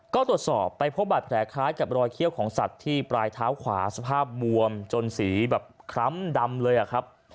ก็ตรวจสอบไปพบบาดแผลคล้ายกับรอยเขี้ยวของสัตว์ที่ปลายเท้าขวาสภาพบวมจนสีแบบคล้ำดำเลยอะครับ